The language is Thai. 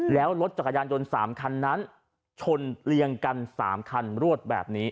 แล้วรถจักรยานยนต์๓คันนั้นชนเรียงกัน๓คันรวดแบบนี้